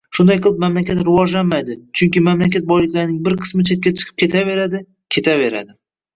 Shunday qilib mamlakat rivojlanmaydi, chunki mamlakat boyliklarining bir qismi chetga qichib ketaveradi, ketaveradi.